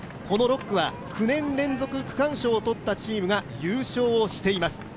この６区は９年連続区間賞を取ったチームが優勝をしています。